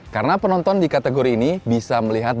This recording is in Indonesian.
karena penonton di kategori ini bisa melihatnya